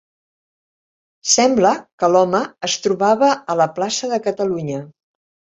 Sembla que l'home es trobava a la plaça de Catalunya